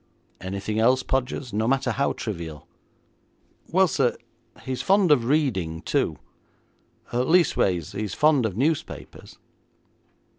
'Anything else, Podgers? No matter how trivial.' 'Well, sir, he's fond of reading too; leastways, he's fond of newspapers.'